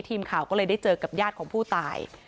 ทีมข่าวก็เลยได้เจอกับญาติของผู้ตาย